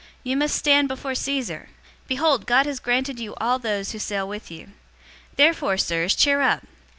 You must stand before Caesar. Behold, God has granted you all those who sail with you.' 027:025 Therefore, sirs, cheer up!